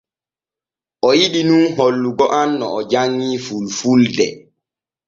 O yiɗu nun hollugo am no o janŋii fulfulde.